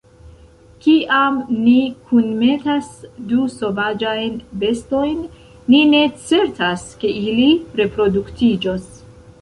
Kiam ni kunmetas du sovaĝajn bestojn, ni ne certas, ke ili reproduktiĝos.